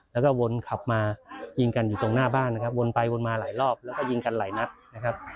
แล้วก็วนขับมายิงกันอยู่ตรงหน้าบ้านนะครับวนไปวนมาหลายรอบแล้วก็ยิงกันหลายนัดนะครับ